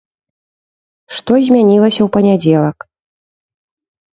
Што змянілася ў панядзелак?